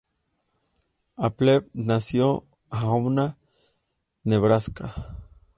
Appleby nació Omaha, Nebraska.